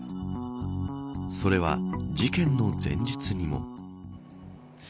それは事件の前日にも。